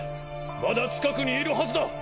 まだ近くにいるはずだ。